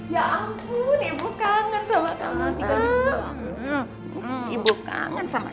ya ampun ibu kangen sama kamu